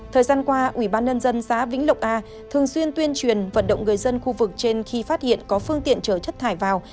thời gian qua ủy ban nhân dân xã vĩnh lộc a thường xuyên tuyên truyền vận động người dân khu vực trên khi phát hiện có phương tiện chở chất thải vào